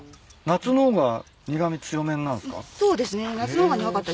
夏の方が苦味強めになるんすか？